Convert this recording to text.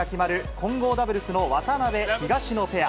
混合ダブルスの渡辺・東野ペア。